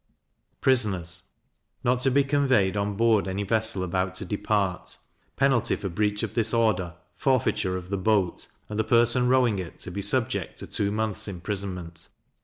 Prisoners not to be conveyed on board any vessel about to depart: penalty for breach of this order, forfeiture of the boat, and the person rowing it to be subject to two months imprisonment.